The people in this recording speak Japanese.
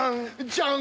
ジャン！